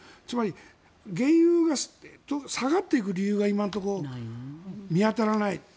つまり、原油が下がっていく理由が今のところ見当たらない。